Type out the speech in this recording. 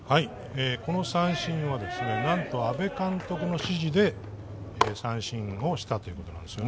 この三振は何と阿部監督の指示で三振をしたということなんです。